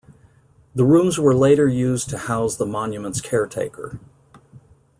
The rooms were later used to house the monument's caretaker.